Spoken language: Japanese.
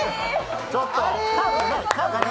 ちょっと！